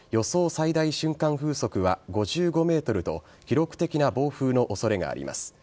最大瞬間風速は５５メートルと記録的な暴風の恐れがあります。